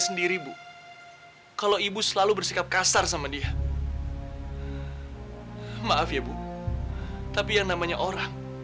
sendiri bu kalau ibu selalu bersikap kasar sama dia maaf ya bu tapi yang namanya orang